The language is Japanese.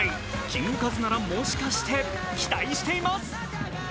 キングカズなら、もしかして期待しています。